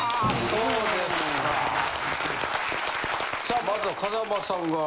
さあまずは風間さんが。